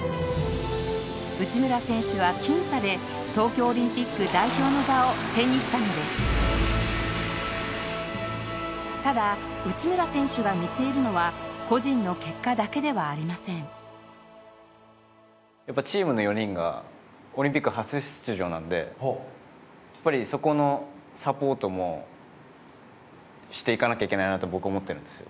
内村選手は僅差で東京オリンピック代表の座を手にしたのですただ、内村選手が見据えるのは個人の結果だけではありませんやっぱ、チームの４人がオリンピック初出場なんでやっぱり、そこのサポートもしていかなきゃいけないなと僕は思ってるんですよ。